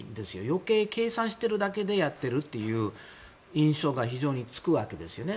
余計に計算しているだけでやっているという印象が非常につくわけですよね。